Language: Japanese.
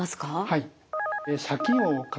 はい。